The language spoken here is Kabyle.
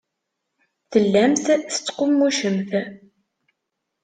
Tellamt tettqummucemt.